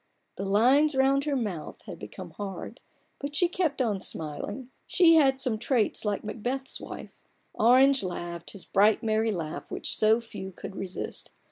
The lines round her mouth had become hard, but she kept on smiling : she had some traits like Macbeth's wife. Orange laughed his bright, merry laugh which so few could resist.